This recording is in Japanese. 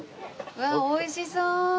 うわあおいしそう！